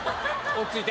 落ち着いて。